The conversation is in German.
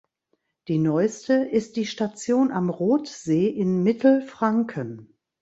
Die neueste ist die Station am Rothsee in Mittelfranken.